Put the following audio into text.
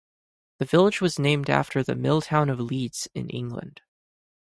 The village was named after the mill town of Leeds, in England.